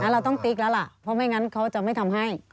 เราต้องติ๊กแล้วล่ะเพราะไม่งั้นเขาจะไม่ทำให้